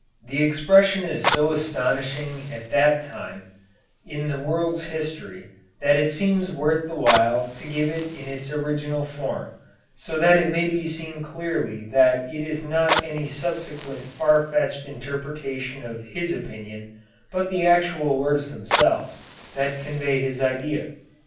The expression is so astonishing at that time in the world's history that it seems worth the while to give it in its original form, so that it may be seen clearly that it is not any subsequent far fetched interpretation of his opinion, but the actual words themselves, that convey this idea.